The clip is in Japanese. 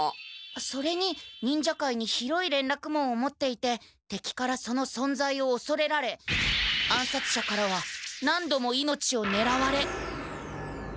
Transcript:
それに忍者界に広いれんらくもうを持っていててきからそのそんざいをおそれられ暗さつ者からは何度も命をねらわれ。